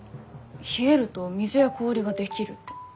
冷えると水や氷が出来るって。